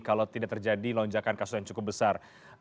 kalau tidak terjadi lonjakan kasus yang cukup besar